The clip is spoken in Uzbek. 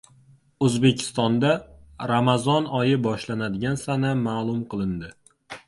O‘zbekistonda Ramazon oyi boshlanadigan sana ma’lum qilindi